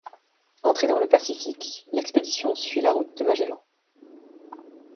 Entrée dans le Pacifique, l'expédition suivit la route de Magellan.